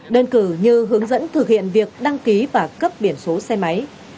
đơn cử như hướng dẫn thực hiện việc đăng ký và cấp biển số xe máy